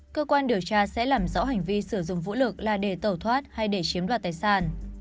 cơ quan điều tra sẽ làm rõ hành vi sử dụng vũ lực là để tẩu thoát hay để chiếm đoạt tài sản